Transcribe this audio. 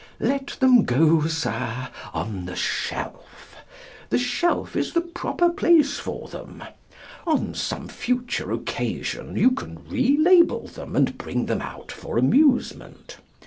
Let them go, Sir, on the shelf. The shelf is the proper place for them. On some future occasion you can re label them and bring them out for amusement.